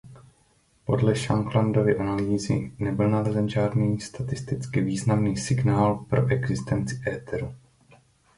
Podle Shanklandovy analýzy nebyl nalezen žádný statisticky významný signál pro existenci éteru.